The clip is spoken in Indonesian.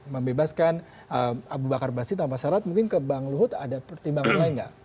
membebaskan abu bakar basir tanpa syarat mungkin ke bang luhut ada pertimbangan lain nggak